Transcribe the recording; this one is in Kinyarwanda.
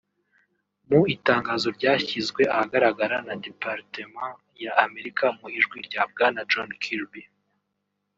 Mu itangazo ryashyizwe ahagaragara na Departement y’Amerika mu ijwi rya Bwana John Kirby